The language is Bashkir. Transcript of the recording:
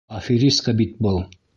Аферистка бит был.